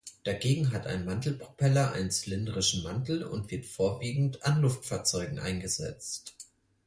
Dagegen hat ein Mantelpropeller einen zylindrischen Mantel und wird vorwiegend an Luftfahrzeugen eingesetzt.